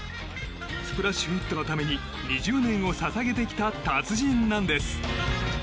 スプラッシュヒットのために２０年を捧げてきた達人なんです。